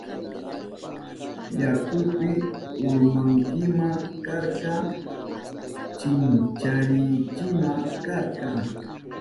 Yakupi urmankima karka, chinkarinkima karka.